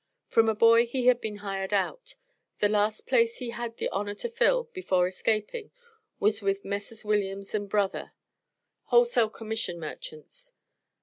From a boy, he had been hired out. The last place he had the honor to fill before escaping, was with Messrs. Williams and Brother, wholesale commission merchants.